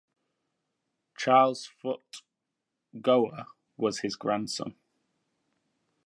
Charles Foote Gower was his grandson.